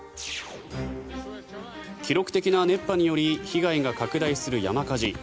記録的な熱波により被害が拡大する山火事。